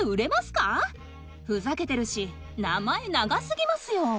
ふざけてるし名前長すぎますよ。